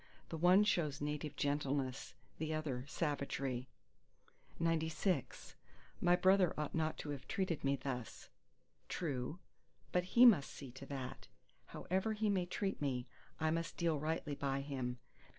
The one shows native gentleness, the other savagery. XCVII "My brother ought not to have treated me thus." True: but he must see to that. However he may treat me, I must deal rightly by him.